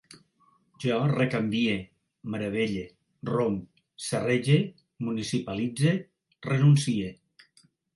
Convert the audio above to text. Jo recanvie, meravelle, romp, serrege, municipalitze, renuncie